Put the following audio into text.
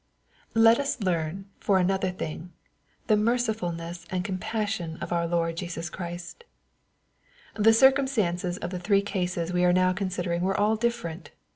Let us learn, for another thing, the mercifulness and compassion of our Lord Jesus Christ, The circumstances of the three cases we are now considering were all diflferent.